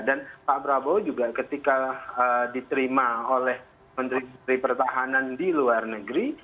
dan pak bawo juga ketika diterima oleh menteri pertahanan di luar negeri